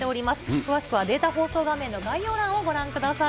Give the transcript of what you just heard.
詳しくはデータ放送画面の概要欄をご覧ください。